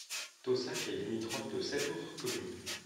Taussac est limitrophe de sept autres communes.